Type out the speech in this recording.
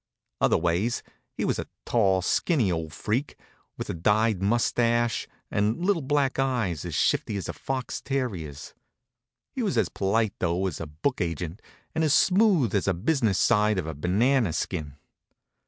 Other ways, he was a tall, skinny old freak, with a dyed mustache and little black eyes as shifty as a fox terrier's. He was as polite, though, as a book agent, and as smooth as the business side of a banana skin.